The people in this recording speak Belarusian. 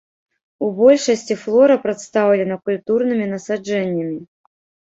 У большасці флора прадстаўлена культурнымі насаджэннямі.